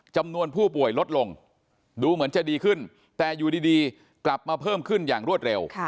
จำนวนผู้ป่วยลดลงดูเหมือนจะดีขึ้นแต่อยู่ดีกลับมาเพิ่มขึ้นอย่างรวดเร็ว